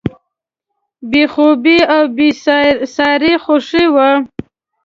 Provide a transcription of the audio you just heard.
بې خوبي او بېساري خوښي وه.